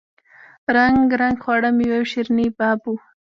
رنګ رنګ خواړه میوې او شیریني باب وو.